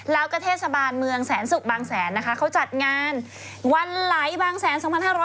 แล้วก็เทศบาลเมืองแสนศุกร์บางแสนนะคะเขาจัดงานวันไหลบางแสน๒๕๖๐